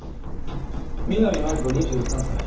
南真理子２３歳。